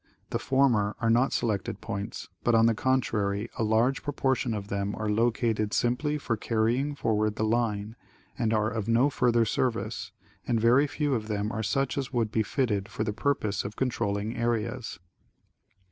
The former are not selected points, but on the contrary, a large proportion of them are located simply for carrying forward the line and are of no further service, and very few of them are such as would be fitted for the purpose of controlling areas.